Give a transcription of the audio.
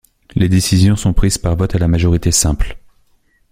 Les décisions sont prises par vote à la majorité simple.